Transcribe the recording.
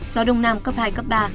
gió đông nam cấp hai cấp ba